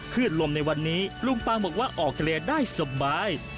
ขึ้นลมในวันนี้ลุงปางบอกว่าออกทะเลได้สบาย